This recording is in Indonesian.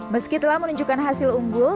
meskitalah menunjukkan hasil unggul